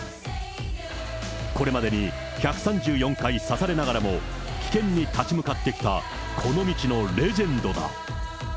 これまでに１３４回刺されながらも危険に立ち向かってきたこの道のレジェンドだ。